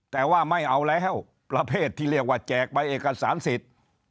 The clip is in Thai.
แต่ว่าไม่เอาแล้วประเภทที่เรียกว่าแจกใบเอกสารสิทธิ์